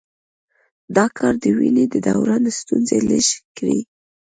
دا کار د وینې د دوران ستونزې لږې کړي.